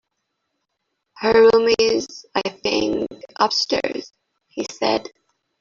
"Her room is, I think, upstairs," he said.